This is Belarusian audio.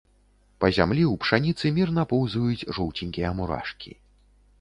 Па зямлі ў пшаніцы мірна поўзаюць жоўценькія мурашкі.